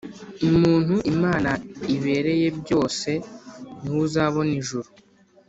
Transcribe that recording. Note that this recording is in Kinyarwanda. Umuntu imana ibereye byose niwe uzabona ijuru